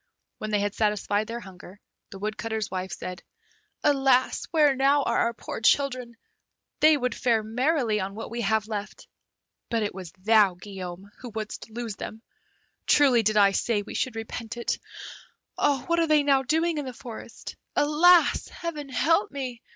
When they had satisfied their hunger, the Woodcutter's wife said, "Alas! where now are our poor children; they would fare merrily on what we have left. But it was thou, Guillaume, who wouldst lose them. Truly did I say we should repent it. What are they now doing in the forest! Alas! Heaven help me!